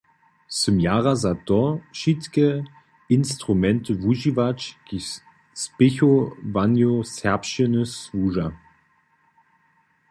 Sym jara za to, wšitke instrumenty wužiwać, kiž spěchowanju serbšćiny słuža.